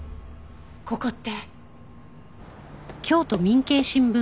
ここって。